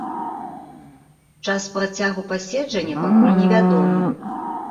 Час працягу паседжання пакуль невядомы.